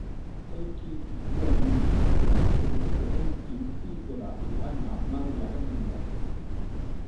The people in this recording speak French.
Heikki Juhani Tiitola est le fils de Heikki Tiitola et de Hanna Maria Helander.